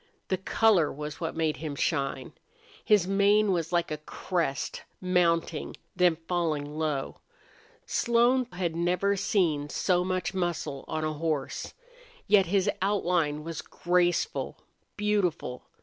The color was what made him shine. His mane was like a crest, mounting, then falling low. Slone had never seen so much muscle on a horse. Yet his outline was graceful, beautiful.